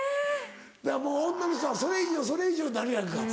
だからもう女の人はそれ以上それ以上になるやんか。